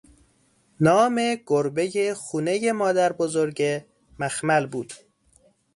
نام گربهٔ خونهٔ مادربزرگه، مخمل بود